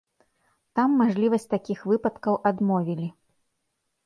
Там мажлівасць такіх выпадкаў адмовілі.